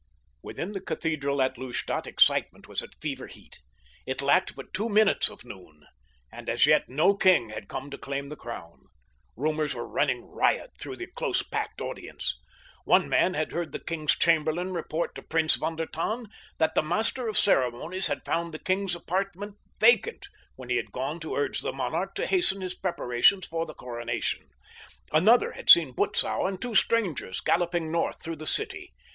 Within the cathedral at Lustadt excitement was at fever heat. It lacked but two minutes of noon, and as yet no king had come to claim the crown. Rumors were running riot through the close packed audience. One man had heard the king's chamberlain report to Prince von der Tann that the master of ceremonies had found the king's apartments vacant when he had gone to urge the monarch to hasten his preparations for the coronation. Another had seen Butzow and two strangers galloping north through the city.